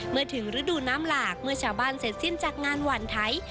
เมื่อถึงฤดูน้ำหลากเมื่อชาวบ้านเสร็จสิ้นจากงานหวั่นไทย